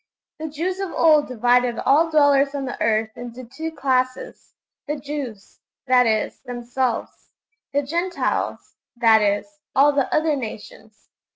The Jews of old divided all dwellers on the earth into two classes: the Jews that is, themselves; the Gentiles that is, all the other nations.